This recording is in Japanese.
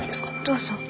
どうぞ。